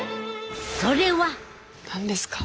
それは。何ですか？